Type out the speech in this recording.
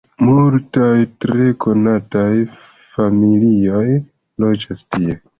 Multaj tre konataj familioj loĝas tie.